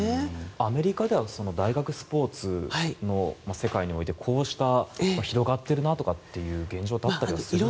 アメリカでは大学スポーツの世界においてこうした広がっているなとかという現状ってあったりするんですか。